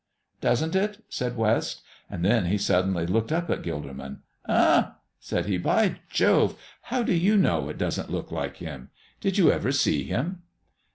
"Doesn't it?" said West, and then he suddenly looked up at Gilderman. "Eh!" said he, "by Jove! How do you know it doesn't look like Him? Did you ever see Him?"